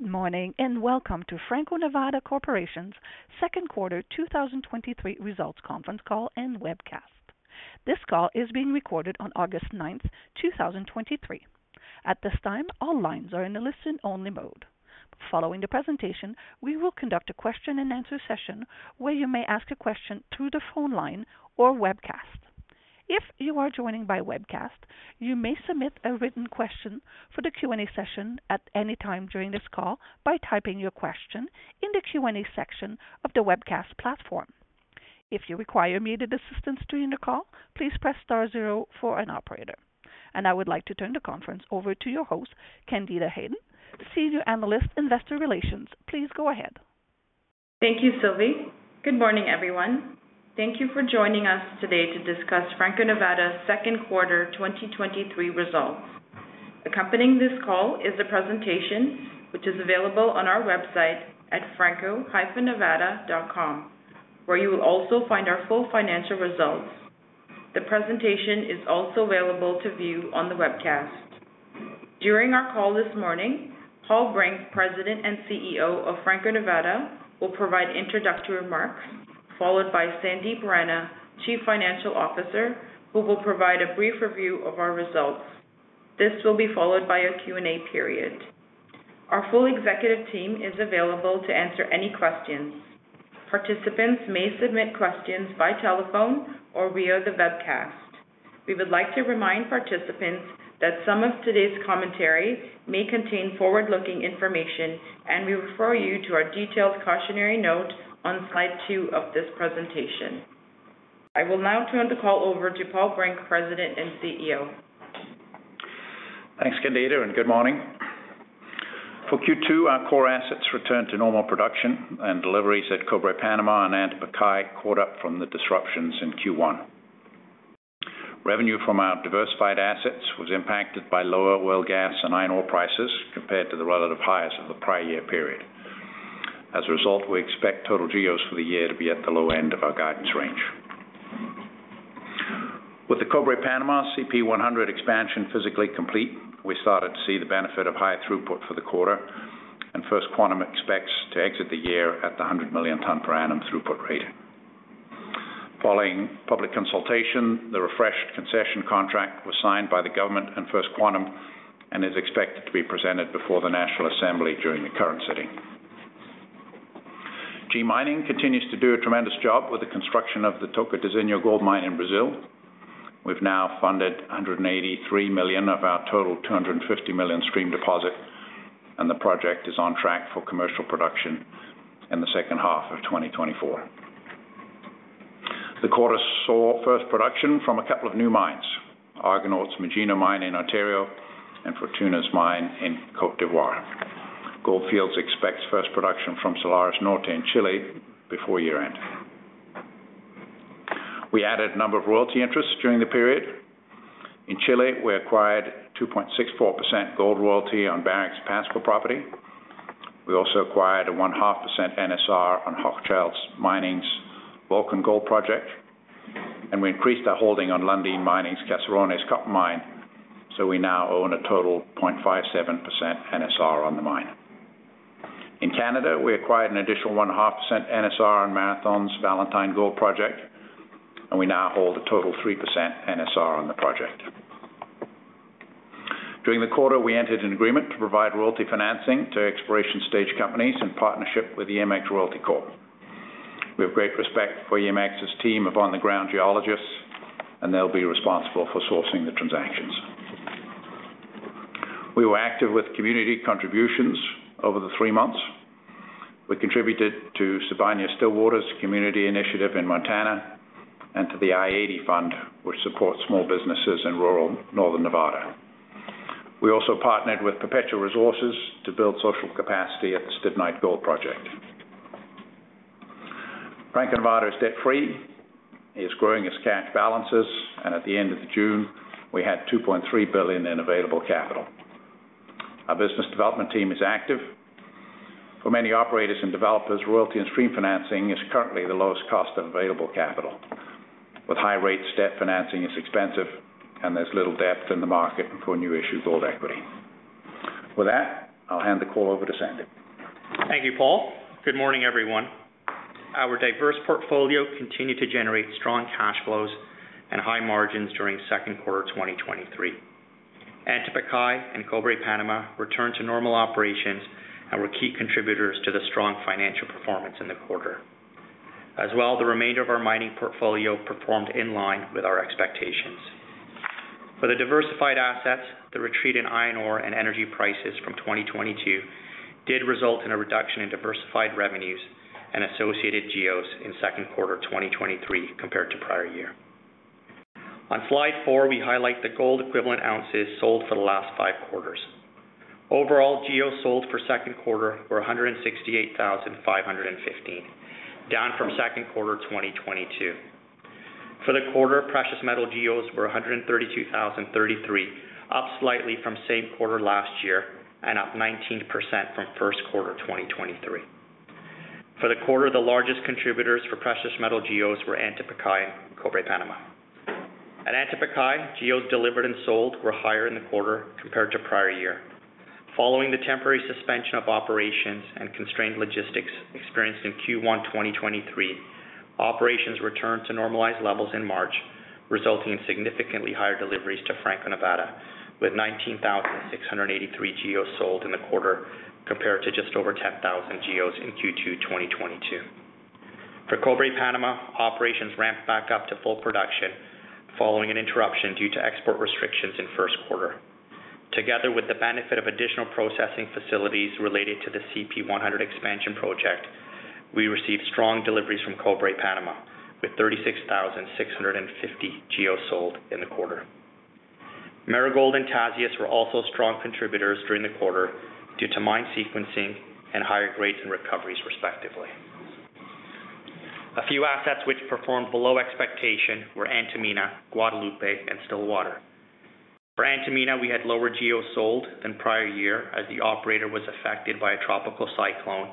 Good morning, and welcome to Franco-Nevada Corporation's second quarter 2023 results conference call and webcast. This call is being recorded on August 9, 2023. At this time, all lines are in a listen-only mode. Following the presentation, we will conduct a question-and-answer session, where you may ask a question through the phone line or webcast. If you are joining by webcast, you may submit a written question for the Q&A session at any time during this call by typing your question in the Q&A section of the webcast platform. If you require immediate assistance during the call, please press star zero for an operator. I would like to turn the conference over to your host, Candida Hayden, Senior Analyst, Investor Relations. Please go ahead. Thank you, Sylvie. Good morning, everyone. Thank you for joining us today to discuss Franco-Nevada's second quarter 2023 results. Accompanying this call is a presentation which is available on our website at franco-nevada.com, where you will also find our full financial results. The presentation is also available to view on the webcast. During our call this morning, Paul Brink, President and CEO of Franco-Nevada, will provide introductory remarks, followed by Sandip Rana, Chief Financial Officer, who will provide a brief review of our results. This will be followed by a Q&A period. Our full executive team is available to answer any questions. Participants may submit questions by telephone or via the webcast. We would like to remind participants that some of today's commentary may contain forward-looking information. We refer you to our detailed cautionary note on slide two of this presentation. I will now turn the call over to Paul Brink, President and CEO. Thanks, Candida, and good morning. For Q2, our core assets returned to normal production, and deliveries at Cobre Panama and Antamina caught up from the disruptions in Q1. Revenue from our diversified assets was impacted by lower oil, gas, and iron ore prices compared to the relative highs of the prior year period. As a result, we expect total GEOs for the year to be at the low end of our guidance range. With the Cobre Panama CP100 expansion physically complete, we started to see the benefit of higher throughput for the quarter, and First Quantum expects to exit the year at the 100 million ton per annum throughput rate. Following public consultation, the refreshed concession contract was signed by the government and First Quantum and is expected to be presented before the National Assembly during the current sitting. G Mining continues to do a tremendous job with the construction of the Tocantinzinho gold mine in Brazil. We've now funded $183 million of our total $250 million stream deposit, the project is on track for commercial production in the second half of 2024. The quarter saw first production from a couple of new mines, Argonaut's Magino mine in Ontario and Fortuna's mine in Côte d'Ivoire. Gold Fields expects first production from Salares Norte in Chile before year-end. We added a number of royalty interests during the period. In Chile, we acquired 2.64% gold royalty on Barrick's Pascua property. We also acquired a 0.5% NSR on Hochschild Mining's Volcan gold project, and we increased our holding on Lundin Mining's Caserones copper mine, so we now own a total 0.57% NSR on the mine. In Canada, we acquired an additional 1.5% NSR on Marathon's Valentine Gold Project, and we now hold a total 3% NSR on the project. During the quarter, we entered an agreement to provide royalty financing to exploration stage companies in partnership with the EMX Royalty Corp. We have great respect for EMX's team of on-the-ground geologists, and they'll be responsible for sourcing the transactions. We were active with community contributions over the three months. We contributed to Sibanye-Stillwater's community initiative in Montana and to the I-80 Fund, which supports small businesses in rural northern Nevada. We also partnered with Perpetua Resources to build social capacity at the Stibnite Gold Project. Franco-Nevada is debt-free, it is growing its cash balances, and at the end of June, we had $2.3 billion in available capital. Our business development team is active. For many operators and developers, royalty and stream financing is currently the lowest cost of available capital. With high rates, debt financing is expensive, and there's little depth in the market for new issue gold equity. With that, I'll hand the call over to Sandip. Thank you, Paul. Good morning, everyone. Our diverse portfolio continued to generate strong cash flows and high margins during second quarter 2023. Antamina and Cobre Panama returned to normal operations and were key contributors to the strong financial performance in the quarter. The remainder of our mining portfolio performed in line with our expectations. For the diversified assets, the retreat in iron ore and energy prices from 2022 did result in a reduction in diversified revenues and associated GEOs in second quarter 2023 compared to prior year. On slide four, we highlight the gold equivalent ounces sold for the last five quarters. Overall, GEOs sold for second quarter were 168,515, down from second quarter 2022. For the quarter, precious metal GEOs were 132,033, up slightly from same quarter last year and up 19% from first quarter 2023. For the quarter, the largest contributors for precious metal GEOs were Antapaccay, Cobre Panama. At Antapaccay, GEOs delivered and sold were higher in the quarter compared to prior year. Following the temporary suspension of operations and constrained logistics experienced in Q1 2023, operations returned to normalized levels in March, resulting in significantly higher deliveries to Franco-Nevada, with 19,683 GEOs sold in the quarter, compared to just over 10,000 GEOs in Q2 2022. For Cobre Panama, operations ramped back up to full production following an interruption due to export restrictions in first quarter. Together with the benefit of additional processing facilities related to the CP100 expansion project, we received strong deliveries from Cobre Panama with 36,650 GEOs sold in the quarter. Marigold and Tasiast were also strong contributors during the quarter due to mine sequencing and higher grades and recoveries, respectively. A few assets which performed below expectation were Antamina, Guadalupe, and Stillwater. For Antamina, we had lower GEOs sold than prior year as the operator was affected by a tropical cyclone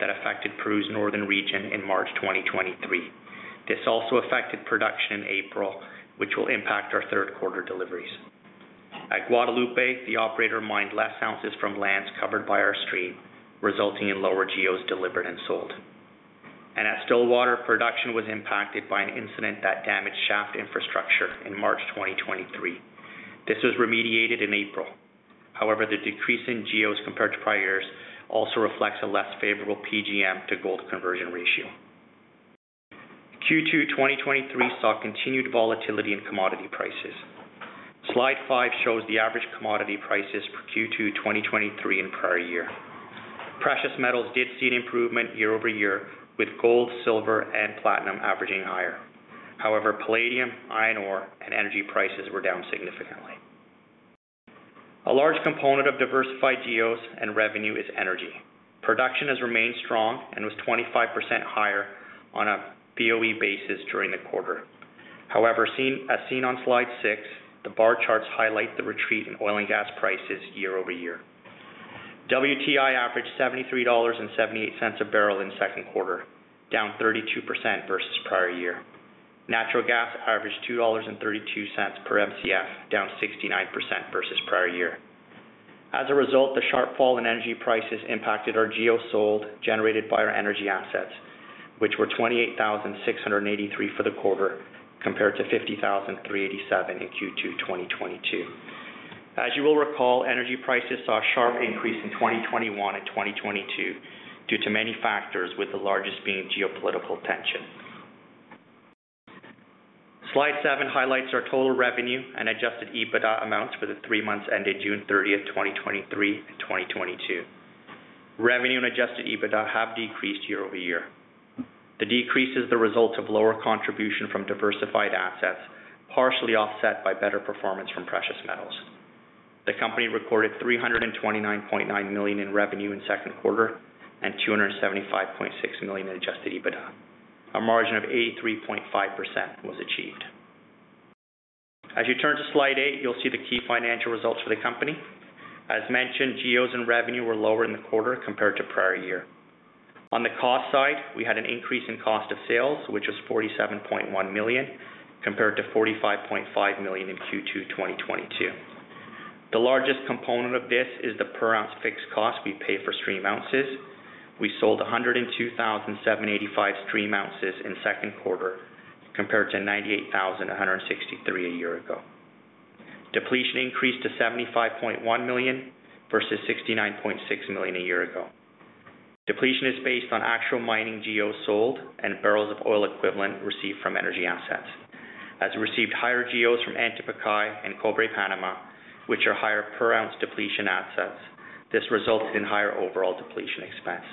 that affected Peru's northern region in March 2023. This also affected production in April, which will impact our third quarter deliveries. At Guadalupe, the operator mined less ounces from lands covered by our stream, resulting in lower GEOs delivered and sold. At Stillwater, production was impacted by an incident that damaged shaft infrastructure in March 2023. This was remediated in April. However, the decrease in GEOs compared to prior years also reflects a less favorable PGM to gold conversion ratio. Q2, 2023 saw continued volatility in commodity prices. Slide five shows the average commodity prices for Q2, 2023 and prior year. Precious metals did see an improvement year-over-year, with gold, silver, and platinum averaging higher. However, palladium, iron ore, and energy prices were down significantly. A large component of diversified GEOs and revenue is energy. Production has remained strong and was 25% higher on a BOE basis during the quarter. However, as seen on slide six, the bar charts highlight the retreat in oil and gas prices year-over-year. WTI averaged $73.78 a barrel in the second quarter, down 32% versus prior year. Natural gas averaged $2.32 per Mcf, down 69% versus prior year. As a result, the sharp fall in energy prices impacted our GEOs sold, generated by our energy assets, which were 28,683 for the quarter, compared to 50,387 in Q2 2022. As you will recall, energy prices saw a sharp increase in 2021 and 2022 due to many factors, with the largest being geopolitical tension. Slide seven highlights our total revenue and Adjusted EBITDA amounts for the three months ended June 30, 2023 and 2022. Revenue and Adjusted EBITDA have decreased year-over-year. The decrease is the result of lower contribution from diversified assets, partially offset by better performance from precious metals. The company recorded $329.9 million in revenue in second quarter and $275.6 million in Adjusted EBITDA. A margin of 83.5% was achieved. As you turn to slide eight, you'll see the key financial results for the company. As mentioned, GEOs and revenue were lower in the quarter compared to prior year. On the cost side, we had an increase in cost of sales, which is $47.1 million, compared to $45.5 million in Q2 2022. The largest component of this is the per ounce fixed cost we pay for stream ounces. We sold 102,785 stream ounces in the second quarter, compared to 98,163 a year ago. Depletion increased to $75.1 million versus $69.6 million a year ago. Depletion is based on actual mining GEOs sold and barrels of oil equivalent received from energy assets. As we received higher GEOs from Antapaccay and Cobre Panama, which are higher per ounce depletion assets, this results in higher overall depletion expense.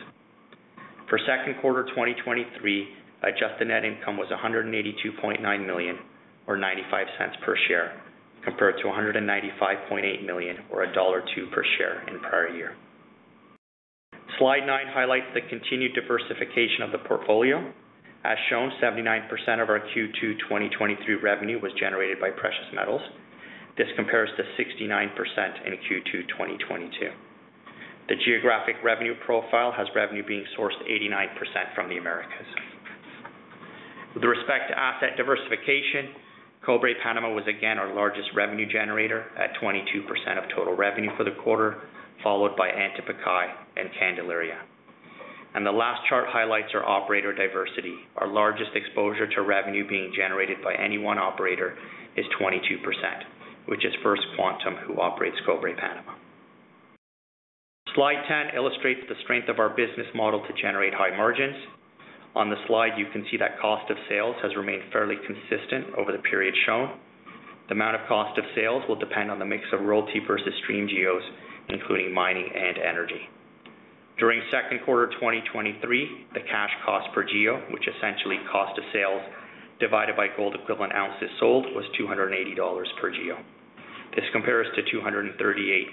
For second quarter 2023, adjusted net income was $182.9 million or $0.95 per share, compared to $195.8 million or $1.02 per share in prior year. Slide nine highlights the continued diversification of the portfolio. As shown, 79% of our Q2 2023 revenue was generated by precious metals. This compares to 69% in Q2 2022. The geographic revenue profile has revenue being sourced 89% from the Americas. With respect to asset diversification, Cobre Panama was again our largest revenue generator at 22% of total revenue for the quarter, followed by Antapaccay and Candelaria. The last chart highlights our operator diversity. Our largest exposure to revenue being generated by any one operator is 22%, which is First Quantum, who operates Cobre Panama. Slide 10 illustrates the strength of our business model to generate high margins. On the slide, you can see that cost of sales has remained fairly consistent over the period shown. The amount of cost of sales will depend on the mix of royalty versus stream GEOs, including mining and energy. During second quarter 2023, the cash cost per GEO, which essentially cost of sales divided by gold equivalent ounces sold, was $280 per GEO. This compares to $238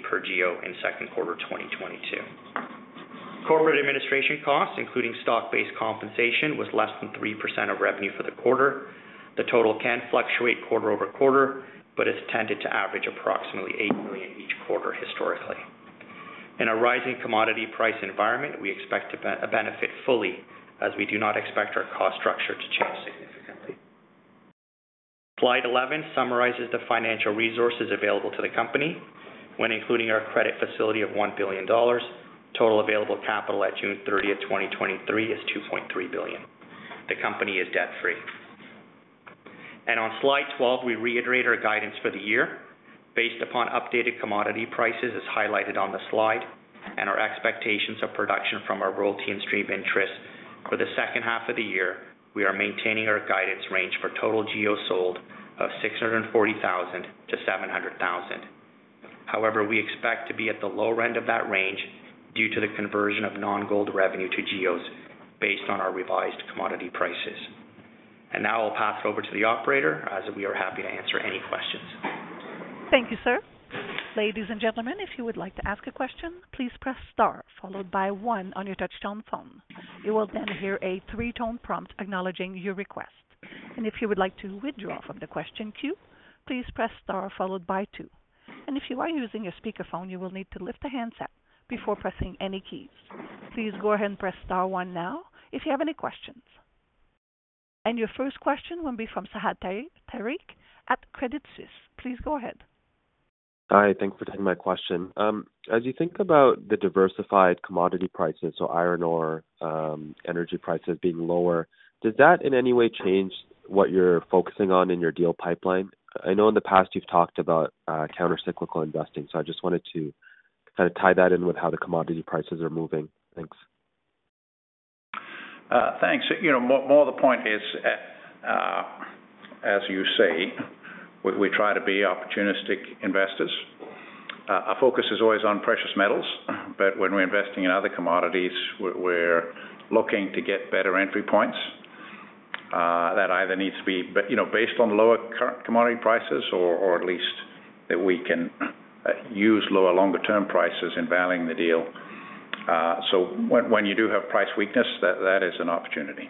per GEO in second quarter 2022. Corporate administration costs, including stock-based compensation, was less than 3% of revenue for the quarter.... The total can fluctuate quarter-over-quarter, but it's tended to average approximately $8 million each quarter historically. In a rising commodity price environment, we expect to benefit fully, as we do not expect our cost structure to change significantly. Slide 11 summarizes the financial resources available to the company, when including our credit facility of $1 billion, total available capital at June 30th, 2023, is $2.3 billion. The company is debt-free. On slide 12, we reiterate our guidance for the year based upon updated commodity prices, as highlighted on the slide, and our expectations of production from our royalty and stream interest. For the second half of the year, we are maintaining our guidance range for total GEOs sold of 640,000-700,000. However, we expect to be at the low end of that range due to the conversion of non-gold revenue to GEOs, based on our revised commodity prices. Now I'll pass it over to the operator, as we are happy to answer any questions. Thank you, sir. Ladies and gentlemen, if you would like to ask a question, please press star followed by one on your touch-tone phone. You will then hear a three-tone prompt acknowledging your request. If you would like to withdraw from the question queue, please press star followed by two. If you are using a speakerphone, you will need to lift the handset before pressing any keys. Please go ahead and press star one now, if you have any questions. Your first question will be from Fahad Tariq at Credit Suisse. Please go ahead. Hi, thanks for taking my question. As you think about the diversified commodity prices, so iron ore, energy prices being lower, does that in any way change what you're focusing on in your deal pipeline? I know in the past you've talked about countercyclical investing, I just wanted to kind of tie that in with how the commodity prices are moving. Thanks. Thanks. You know, more, more the point is, as you say, we, we try to be opportunistic investors. Our focus is always on precious metals, but when we're investing in other commodities, we're, we're looking to get better entry points, that either needs to be, you know, based on lower commodity prices or at least that we can use lower longer-term prices in valuing the deal. So when, when you do have price weakness, that, that is an opportunity.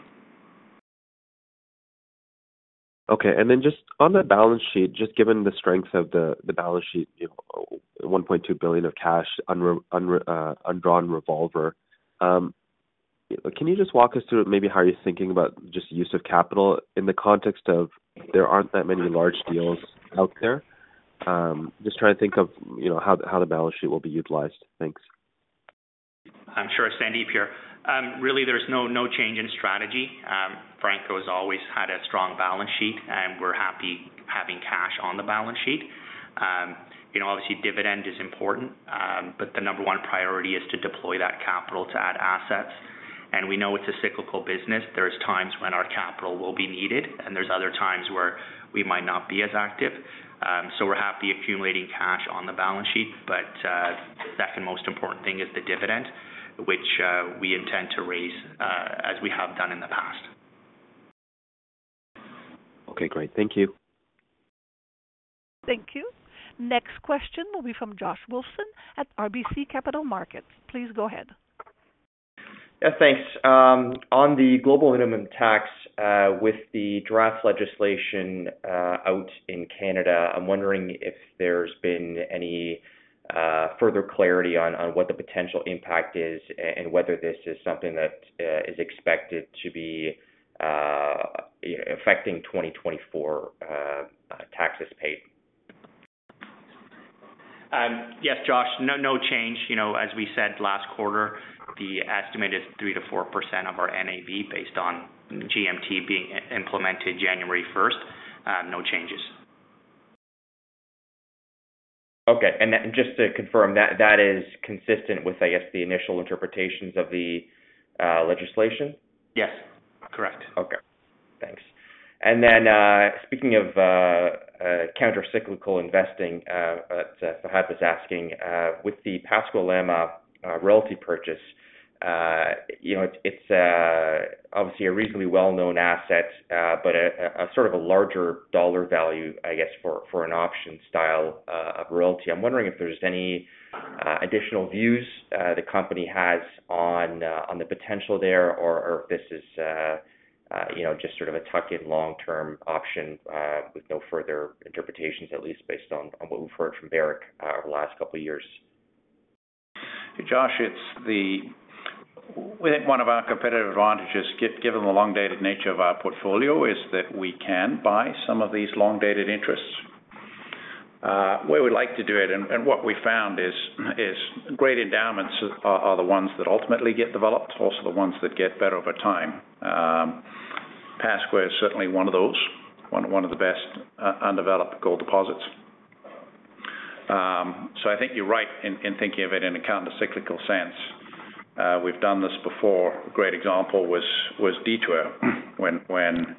Okay. Then just on the balance sheet, just given the strength of the, the balance sheet, you know, $1.2 billion of cash, undrawn revolver, can you just walk us through maybe how you're thinking about just use of capital in the context of there aren't that many large deals out there? Just trying to think of, you know, how, how the balance sheet will be utilized. Thanks. I'm sure, Sandip here. Really, there's no, no change in strategy. Franco has always had a strong balance sheet, and we're happy having cash on the balance sheet. You know, obviously, dividend is important, but the number one priority is to deploy that capital to add assets. We know it's a cyclical business. There's times when our capital will be needed, and there's other times where we might not be as active. We're happy accumulating cash on the balance sheet, but the second most important thing is the dividend, which we intend to raise as we have done in the past. Okay, great. Thank you. Thank you. Next question will be from Joshua Wolfson at RBC Capital Markets. Please go ahead. Yeah, thanks. On the global minimum tax, with the draft legislation out in Canada, I'm wondering if there's been any further clarity on what the potential impact is, and whether this is something that is expected to be affecting 2024 taxes paid? Yes, Joshua, no, no change. You know, as we said last quarter, the estimate is 3%-4% of our NAV based on GMT being implemented January 1st. No changes. Okay. Then just to confirm, that, that is consistent with, I guess, the initial interpretations of the legislation? Yes, correct. Okay, thanks. Then, speaking of, countercyclical investing, Fahad was asking, with the Pascua-Lama royalty purchase, you know, it's obviously a reasonably well-known asset, but a, a sort of a larger dollar value, I guess, for, for an option style, of royalty. I'm wondering if there's any, additional views, the company has on, on the potential there, or, or if this is, you know, just sort of a tuck-in long-term option, with no further interpretations, at least based on, on what we've heard from Barrick, over the last couple of years. Joshua, it's the-- We think one of our competitive advantages, given the long-dated nature of our portfolio, is that we can buy some of these long-dated interests. We would like to do it, and, and what we found is, is great endowments are, are the ones that ultimately get developed, also the ones that get better over time. Pascua is certainly one of those, one, one of the best undeveloped gold deposits. I think you're right in, in thinking of it in a countercyclical sense. We've done this before. A great example was, was Detour, when, when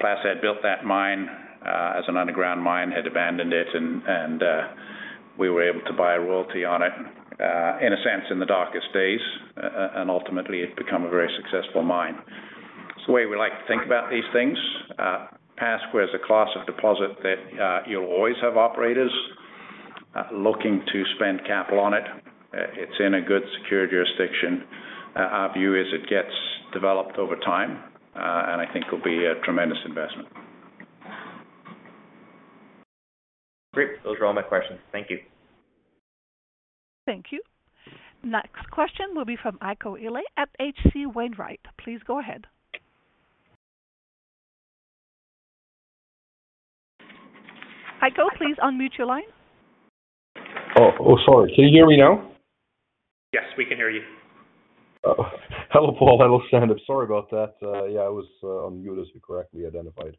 Placer had built that mine, as an underground mine, had abandoned it, and, and, we were able to buy a royalty on it, in a sense, in the darkest days, ultimately, it became a very successful mine. It's the way we like to think about these things. Pascua is a class of deposit that, you'll always have operators, looking to spend capital on it. It's in a good, secure jurisdiction. Our view is it gets developed over time, and I think will be a tremendous investment. Great. Those are all my questions. Thank you. Thank you. Next question will be from Heiko Ihle at H.C. Wainwright. Please go ahead. Heiko, please unmute your line. Oh, oh, sorry. Can you hear me now? Yes, we can hear you. Oh, hello, Paul. Hello, Sandip. Sorry about that. Yeah, I was on mute, as you correctly identified.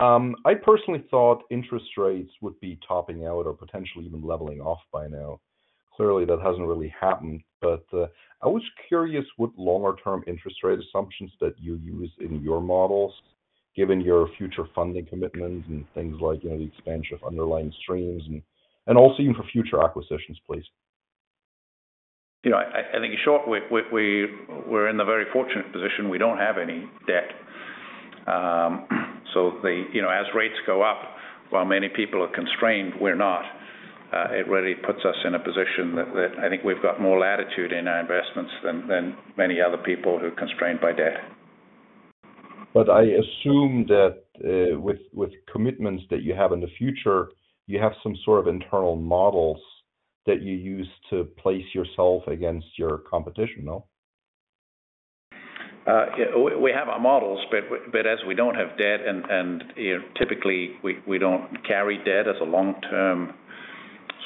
I personally thought interest rates would be topping out or potentially even leveling off by now. Clearly, that hasn't really happened. I was curious what longer-term interest rate assumptions that you use in your models, given your future funding commitments and things like, you know, the expansion of underlying streams and, and also even for future acquisitions, please. You know, I, I think in short, we, we, we're in the very fortunate position, we don't have any debt. The, you know, as rates go up, while many people are constrained, we're not. It really puts us in a position that, that I think we've got more latitude in our investments than, than many other people who are constrained by debt. I assume that, with, with commitments that you have in the future, you have some sort of internal models that you use to place yourself against your competition, no? Yeah, we, we have our models, but, but as we don't have debt and, and, you know, typically we, we don't carry debt as a long-term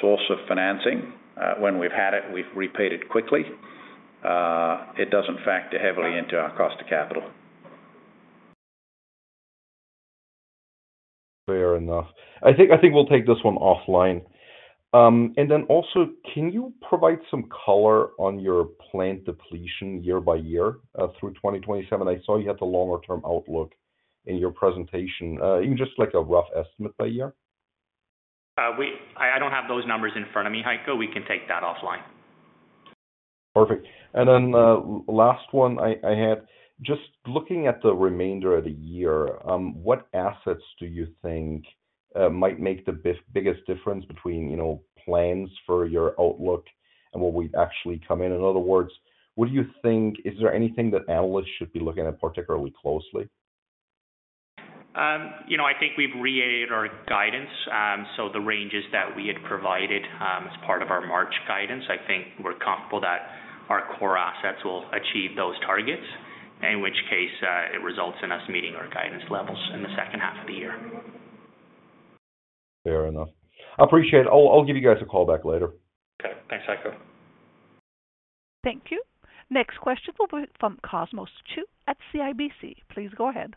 source of financing. When we've had it, we've repaid it quickly. It doesn't factor heavily into our cost of capital. Fair enough. I think, I think we'll take this one offline. Then also, can you provide some color on your plant depletion year by year through 2027? I saw you had the longer term outlook in your presentation. Even just like a rough estimate by year. I, I don't have those numbers in front of me, Heiko. We can take that offline. Perfect. Then, last one I, I had, just looking at the remainder of the year, what assets do you think might make the biggest difference between, you know, plans for your outlook and what would actually come in? In other words, what do you think, is there anything that analysts should be looking at particularly closely? you know, I think we've reiterated our guidance. The ranges that we had provided, as part of our March guidance, I think we're comfortable that our core assets will achieve those targets, in which case, it results in us meeting our guidance levels in the second half of the year. Fair enough. I appreciate it. I'll, I'll give you guys a call back later. Okay. Thanks, Heiko. Thank you. Next question will be from Cosmos Chiu at CIBC. Please go ahead.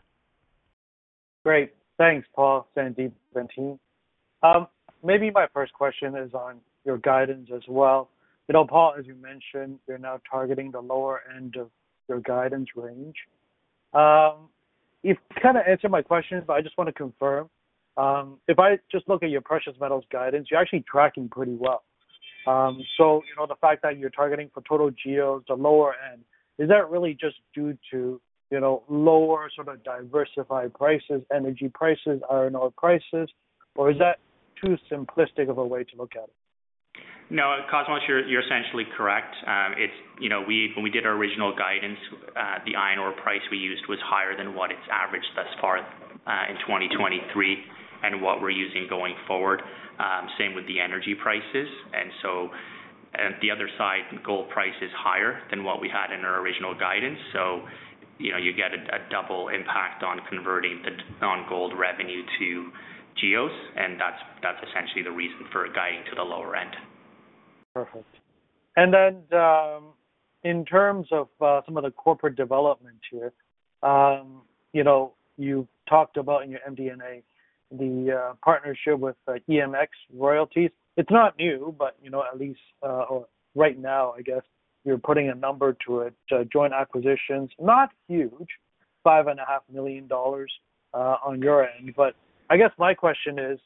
Great. Thanks, Paul, Sandip, team. Maybe my first question is on your guidance as well. You know, Paul, as you mentioned, you're now targeting the lower end of your guidance range. You've kind of answered my question, but I just want to confirm. If I just look at your precious metals guidance, you're actually tracking pretty well. You know, the fact that you're targeting for total GEOs, the lower end, is that really just due to, you know, lower sort of diversified prices, energy prices, iron ore prices, or is that too simplistic of a way to look at it? No, Cosmos, you're, you're essentially correct. It's, you know, when we did our original guidance, the iron ore price we used was higher than what it's averaged thus far, in 2023 and what we're using going forward. Same with the energy prices, and so, the other side, gold price, is higher than what we had in our original guidance. You know, you get a, a double impact on converting the non-gold revenue to GEOs, and that's, that's essentially the reason for guiding to the lower end. Perfect. Then, in terms of some of the corporate development here, you know, you talked about in your MD&A, the partnership with EMX Royalty. It's not new, but, you know, at least, or right now, I guess, you're putting a number to it. Joint acquisitions, not huge, $5.5 million, on your end. I guess my question is,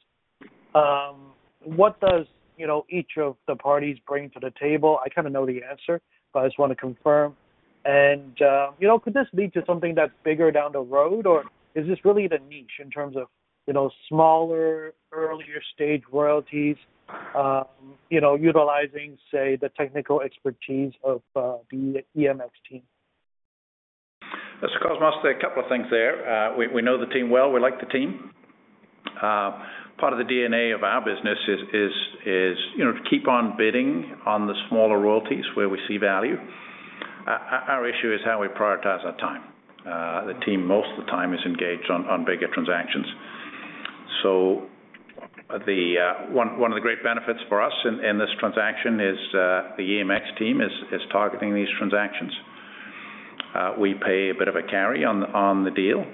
what does, you know, each of the parties bring to the table? I kind of know the answer, but I just want to confirm. You know, could this lead to something that's bigger down the road, or is this really the niche in terms of you know, smaller, earlier stage royalties, you know, utilizing, say, the technical expertise of the EMX team? Cosmos, a couple of things there. We know the team well. We like the team. Part of the DNA of our business is, you know, to keep on bidding on the smaller royalties where we see value. Our issue is how we prioritize our time. The team, most of the time, is engaged on bigger transactions. One of the great benefits for us in this transaction is, the EMX team is targeting these transactions. We pay a bit of a carry on the deal.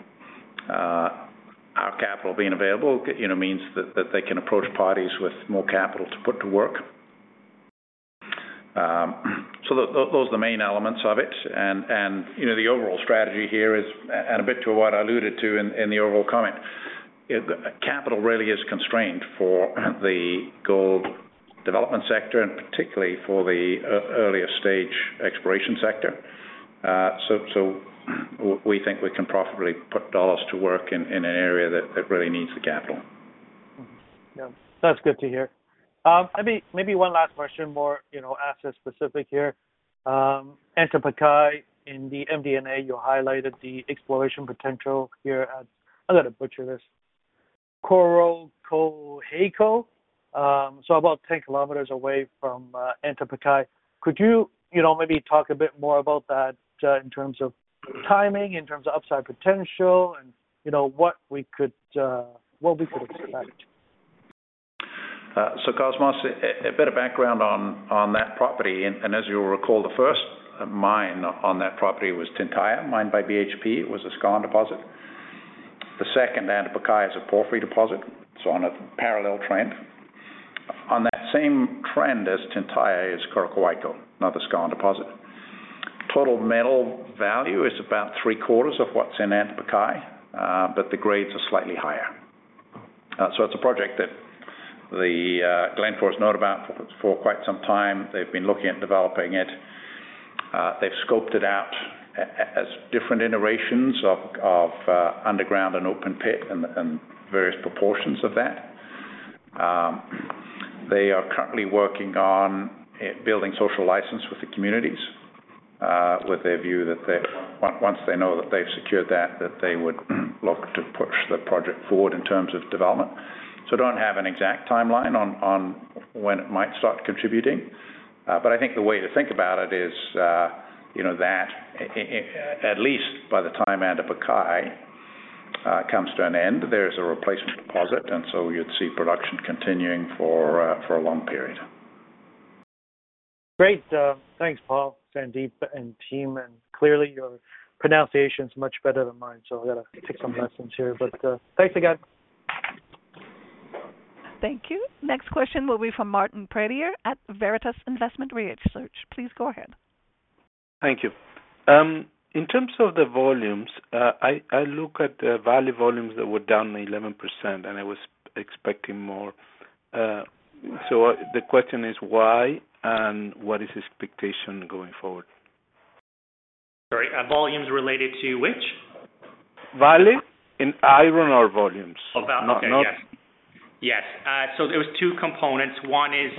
Our capital being available, you know, means that they can approach parties with more capital to put to work. Those are the main elements of it. You know, the overall strategy here is, and a bit to what I alluded to in, in the overall comment, capital really is constrained for the gold development sector, and particularly for the earlier stage exploration sector. So, we think we can profitably put dollars to work in, in an area that, that really needs the capital. Yeah, that's good to hear. Maybe, maybe 1 last question, more, you know, asset specific here. Antucoya in the MD&A, you highlighted the exploration potential here at, I'm gonna butcher this, Coroccohuayco, so about 10 kilometers away from Antucoya. Could you, you know, maybe talk a bit more about that, in terms of timing, in terms of upside potential and, you know, what we could expect? Cosmos, a bit of background on that property, and as you'll recall, the first mine on that property was Tintaya, mined by BHP. It was a skarn deposit. The second, Antucoya, is a porphyry deposit, so on a parallel trend. On that same trend as Tintaya is Corocoraico, another skarn deposit. Total metal value is about three-quarters of what's in Antucoya, but the grades are slightly higher. So it's a project that the Glencore has known about for quite some time. They've been looking at developing it. They've scoped it out as different iterations of underground and open pit and various proportions of that. They are currently working on building social license with the communities, with a view that they, once they know that they've secured that, that they would look to push the project forward in terms of development. Don't have an exact timeline on, on when it might start contributing, but I think the way to think about it is, you know, that at least by the time Antucoya comes to an end, there is a replacement deposit, and so you'd see production continuing for a long period. Great. Thanks, Paul, Sandip, and team, and clearly, your pronunciation is much better than mine, so I've got to take some lessons here. Thanks again. Thank you. Next question will be from Martin Pradier at Veritas Investment Research. Please go ahead. Thank you. In terms of the volumes, I, I look at the Vale volumes that were down 11%, and I was expecting more. The question is why and what is the expectation going forward? Sorry, volumes related to which? Vale iron ore volumes. Oh, Vale. Not, not- Yes. Yes, so there was two components. One is,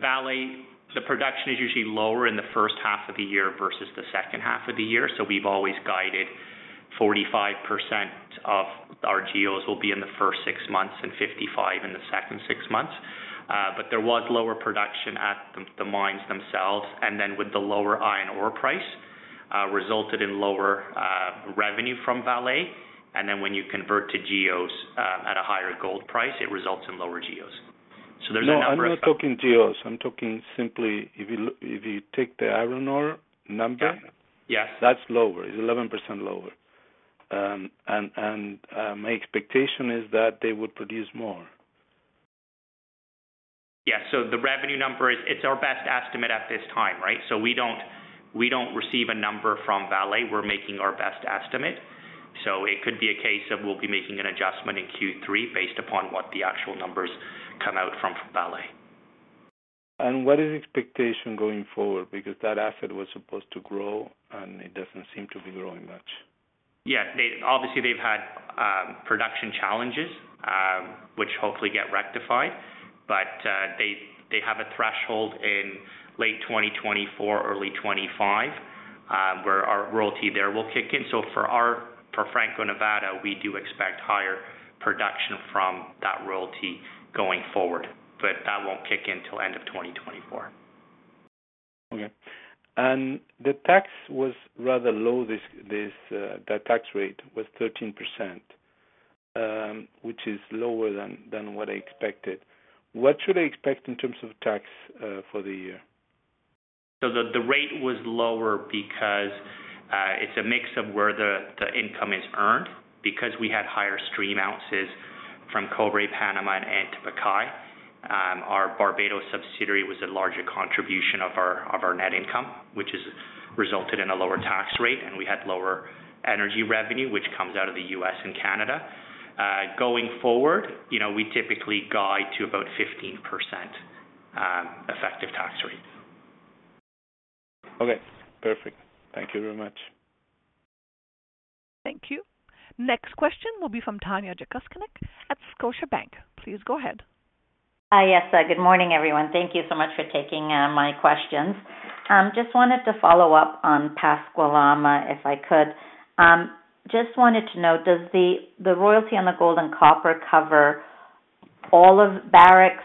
Vale. The production is usually lower in the first half of the year versus the second half of the year, so we've always guided 45% of our geos will be in the first six months and 55 in the second six months. But there was lower production at the, the mines themselves, and then with the lower iron ore price, resulted in lower revenue from Vale. When you convert to geos, at a higher gold price, it results in lower geos. There's a number of- No, I'm not talking GEOs. I'm talking simply if you, if you take the iron ore number- Yes. that's lower. It's 11% lower. And, my expectation is that they would produce more. The revenue number is, it's our best estimate at this time, right. We don't, we don't receive a number from Vale. We're making our best estimate. It could be a case of we'll be making an adjustment in Q3 based upon what the actual numbers come out from, from Vale. What is expectation going forward? Because that asset was supposed to grow, and it doesn't seem to be growing much. Yeah, they-- obviously, they've had production challenges, which hopefully get rectified, but they, they have a threshold in late 2024, early 2025, where our royalty there will kick in. For our, for Franco-Nevada, we do expect higher production from that royalty going forward, but that won't kick in till end of 2024. Okay. The tax was rather low, this, this, the tax rate was 13%, which is lower than, than what I expected. What should I expect in terms of tax for the year? The, the rate was lower because, it's a mix of where the, the income is earned, because we had higher stream ounces from Cobre Panama and Antucoya. Our Barbados subsidiary was a larger contribution of our, of our net income, which has resulted in a lower tax rate, and we had lower energy revenue, which comes out of the U.S. and Canada. Going forward, you know, we typically guide to about 15% effective tax rate. Okay, perfect. Thank you very much. Thank you. Next question will be from Tanya Jakusconek at Scotiabank. Please go ahead. Yes, good morning, everyone. Thank you so much for taking my questions. Just wanted to follow up on Pascua Lama, if I could. Just wanted to know, does the royalty on the gold and copper cover all of Barrick's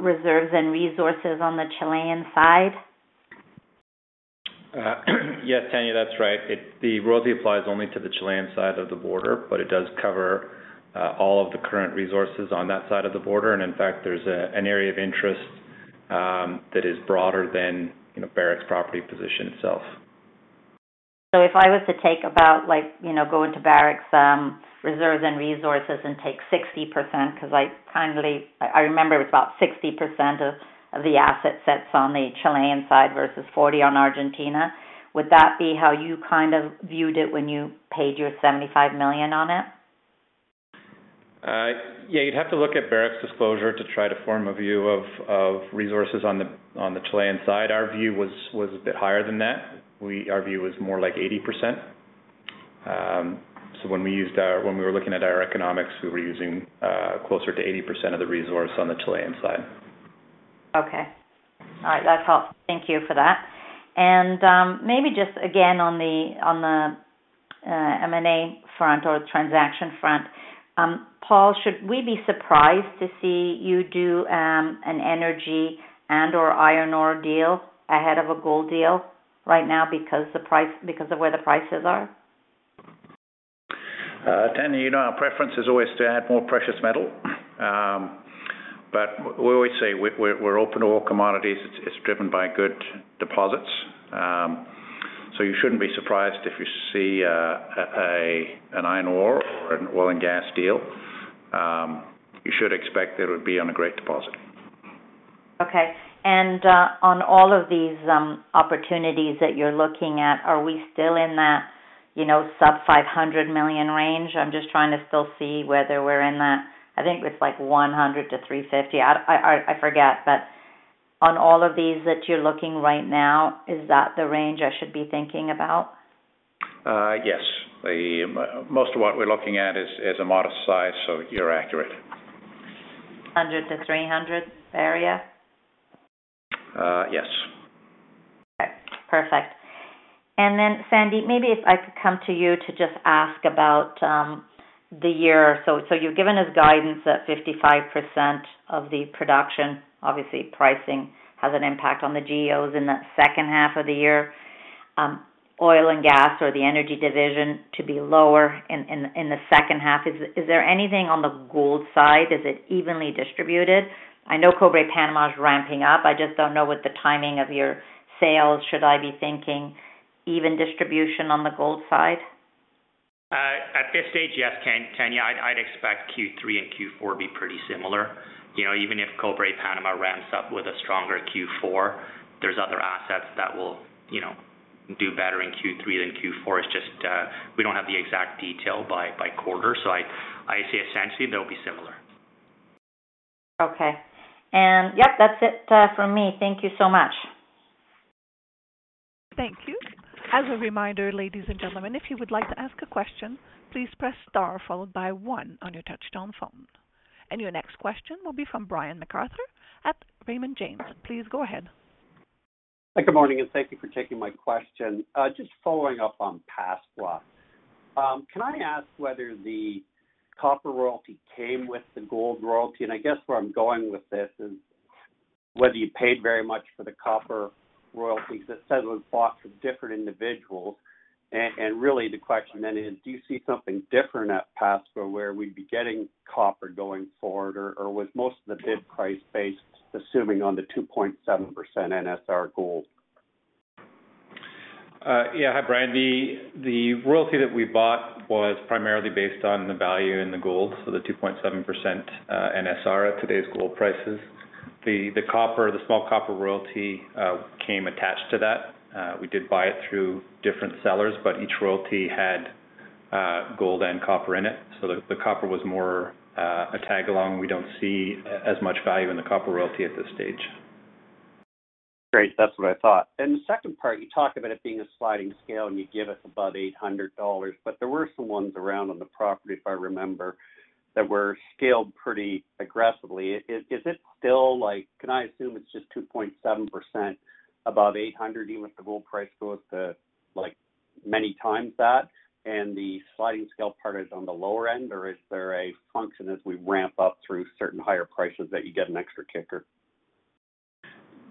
reserves and resources on the Chilean side? Yes, Tanya, that's right. The royalty applies only to the Chilean side of the border, but it does cover all of the current resources on that side of the border. In fact, there's an area of interest that is broader than, you know, Barrick's property position itself. If I was to take about like, you know, go into Barrick's, reserves and resources and take 60%, 'cause I kindly, I, I remember it was about 60% of, of the asset that's on the Chilean side versus 40 on Argentina, would that be how you kind of viewed it when you paid your $75 million on it?... Yeah, you'd have to look at Barrick's disclosure to try to form a view of, of resources on the, on the Chilean side. Our view was a bit higher than that. Our view was more like 80%. When we were looking at our economics, we were using closer to 80% of the resource on the Chilean side. Okay. All right. That helps. Thank you for that. Maybe just again, on the, on the, M&A front or transaction front, Paul, should we be surprised to see you do an energy and/or iron ore deal ahead of a gold deal right now because the price, because of where the prices are? Tanya, you know, our preference is always to add more precious metal. We always say we're, we're, we're open to all commodities. It's, it's driven by good deposits. You shouldn't be surprised if you see an iron ore or an oil and gas deal. You should expect it would be on a great deposit. Okay. On all of these opportunities that you're looking at, are we still in that, you know, sub $500 million range? I'm just trying to still see whether we're in that. I think it was, like, $100 million-$350 million. I forget. On all of these that you're looking right now, is that the range I should be thinking about? yes. Most of what we're looking at is a modest size, so you're accurate. 100 to 300 area? Yes. Okay, perfect. Then, Sandip, maybe if I could come to you to just ask about the year. So you've given us guidance that 55% of the production, obviously pricing, has an impact on the GEOs in that second half of the year. Oil and gas or the energy division to be lower in the second half. Is there anything on the gold side? Is it evenly distributed? I know Cobre Panama is ramping up. I just don't know what the timing of your sales. Should I be thinking even distribution on the gold side? At this stage, yes, Tanya, I'd, I'd expect Q3 and Q4 to be pretty similar. You know, even if Cobre Panama ramps up with a stronger Q4, there's other assets that will, you know, do better in Q3 than Q4. It's just, we don't have the exact detail by, by quarter, so I, I say essentially they'll be similar. Okay. Yep, that's it, from me. Thank you so much. Thank you. As a reminder, ladies and gentlemen, if you would like to ask a question, please press star followed by one on your touchtone phone. Your next question will be from Brian MacArthur at Raymond James. Please go ahead. Hi, good morning, and thank you for taking my question. Just following up on Pascua. Can I ask whether the copper royalty came with the gold royalty? I guess where I'm going with this is whether you paid very much for the copper royalties. It said it was bought from different individuals. Really the question then is, do you see something different at Pascua, where we'd be getting copper going forward, or, or was most of the bid price based, assuming on the 2.7% NSR gold? Yeah. Hi, Brian. The, the royalty that we bought was primarily based on the value in the gold, so the 2.7% NSR at today's gold prices. The, the copper, the small copper royalty came attached to that. We did buy it through different sellers, but each royalty had gold and copper in it. The, the copper was more a tag along. We don't see as much value in the copper royalty at this stage. Great. That's what I thought. The second part, you talked about it being a sliding scale, and you give us about $800. There were some ones around on the property, if I remember, that were scaled pretty aggressively. Is, is it still like, can I assume it's just 2.7% above 800, even if the gold price goes to, like, many times that, and the sliding scale part is on the lower end? Or is there a function as we ramp up through certain higher prices, that you get an extra kicker?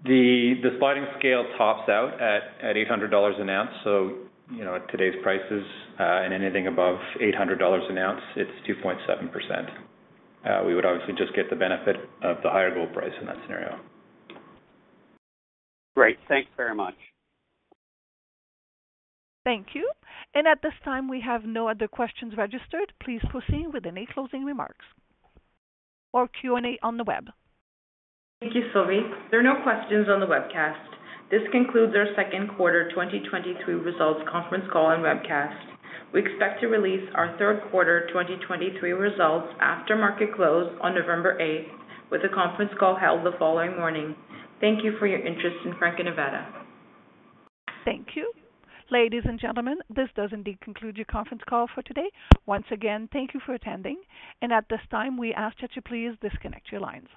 The sliding scale tops out at $800 an ounce. You know, at today's prices, anything above $800 an ounce, it's 2.7%. We would obviously just get the benefit of the higher gold price in that scenario. Great. Thank you very much. Thank you. At this time, we have no other questions registered. Please proceed with any closing remarks or Q&A on the web. Thank you, Sylvie. There are no questions on the webcast. This concludes our second quarter 2023 results conference call and webcast. We expect to release our third quarter 2023 results after market close on November eighth, with a conference call held the following morning. Thank you for your interest in Franco-Nevada. Thank you. Ladies and gentlemen, this does indeed conclude your conference call for today. Once again, thank you for attending, and at this time, we ask that you please disconnect your lines.